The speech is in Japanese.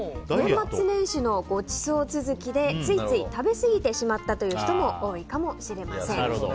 年末年始のごちそう続きでついつい食べ過ぎてしまったという人も多いかもしれません。